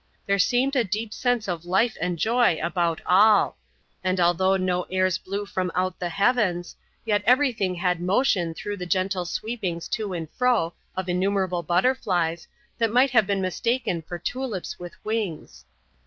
There seemed a deep sense of life and joy about all; and although no airs blew from out the heavens, yet every thing had motion through the gentle sweepings to and fro of innumerable butterflies, that might have been mistaken for tulips with wings.